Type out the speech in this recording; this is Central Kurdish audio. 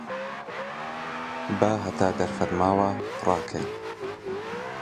با هەتا دەرفەت ماوە ڕاکەین